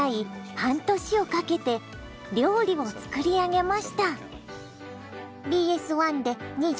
半年をかけて料理を作り上げました。